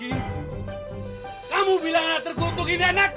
aku ya anak ini pak